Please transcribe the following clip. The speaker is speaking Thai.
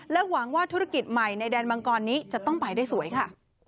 หวังว่าธุรกิจใหม่ในแดนมังกรนี้จะต้องไปได้สวยค่ะ